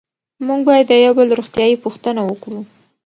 موږ باید د یو بل روغتیایي پوښتنه وکړو.